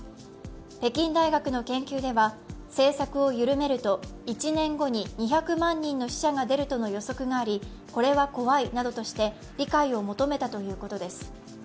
北京大学の研究では政策を緩めると１年後に２００万人の死者が出るとの予測がありこれは怖いなどとして理解を求めたということです。